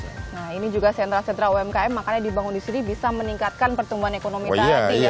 nah ini juga sentra sentra umkm makanya dibangun di sini bisa meningkatkan pertumbuhan ekonomi tadi ya